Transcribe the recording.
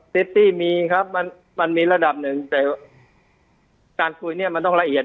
ตี้มีครับมันมีระดับหนึ่งแต่การคุยเนี่ยมันต้องละเอียด